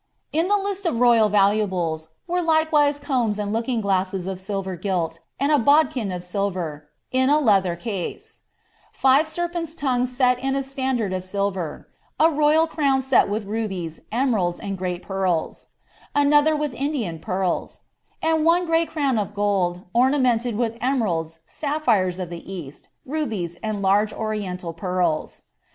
In the list of royal valuables were likewise I looking glasses of silver gilt, and a bodkin of silTer, in a 1m five serpents' tongues set in n standitrd of silver ; a royal ci rubies, emeralds, and great pearls; another with Indian pearl* great crown of gold, ornanienled with ememlda, sapphires d rubies, and lai^ oriental peurlc.